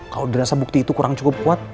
kalau udah rasa bukti itu kurang cukup kuat